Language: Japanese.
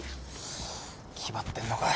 気張ってんのか。